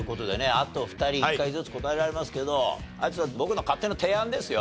あと２人１回ずつ答えられますけど有田さん僕の勝手な提案ですよ。